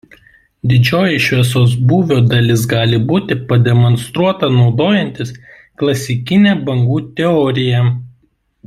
Didžioji šviesos būvio dalis gali būti pademonstruota naudojantis klasikine bangų teorija.